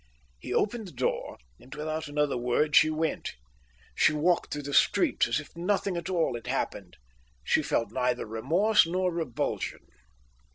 He opened the door, and, without another word, she went. She walked through the streets as if nothing at all had happened. She felt neither remorse nor revulsion.